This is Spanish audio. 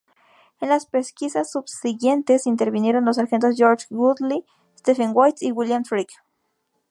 En las pesquisas subsiguientes intervinieron los Sargentos George Godley, Stephen White y William Trick.